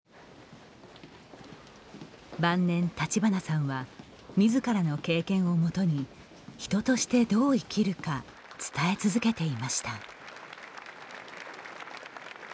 晩年、立花さんはみずからの経験をもとに人としてどう生きるか伝え続けていました。